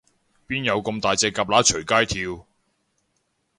邊有噉大隻蛤乸隨街跳